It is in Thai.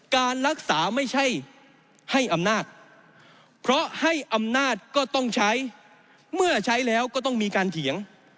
การรักษาไม่ใช่ให้อำนาจเพราะให้อำนาจก็ต้องใช้เมื่อใช้แล้วก็ต้องมีการเถียง